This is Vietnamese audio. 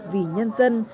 vì nhân dân